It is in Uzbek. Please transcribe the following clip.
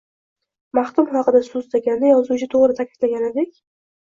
Maxdum haqida so’zlaganda, yozuvchi to’g’ri ta’kidlaganidek